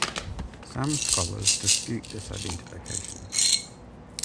Some scholars dispute this identification.